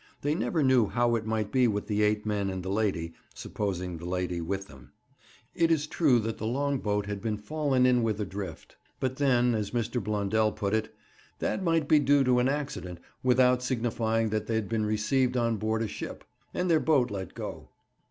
They never knew how it might be with the eight men and the lady, supposing the lady with them. It is true that the long boat had been fallen in with adrift; but then, as Mr. Blundell put it, 'That might be due to an accident, without signifying that they'd been received on board a ship, and their boat let go.'